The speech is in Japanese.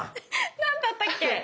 なんだったっけ？